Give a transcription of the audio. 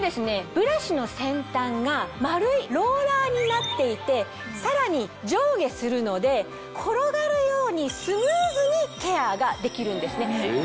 ブラシの先端が丸いローラーになっていてさらに上下するので転がるようにスムーズにケアができるんですね。